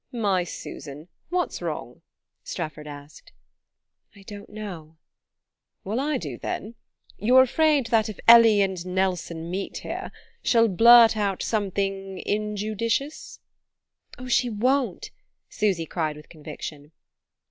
"My Susan, what's wrong?" Strefford asked. "I don't know...." "Well, I do, then: you're afraid that, if Ellie and Nelson meet here, she'll blurt out something injudicious." "Oh, she won't!" Susy cried with conviction.